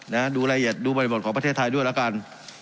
ดูรายละเอียดดูบริบทของประเทศไทยด้วยแล้วกัน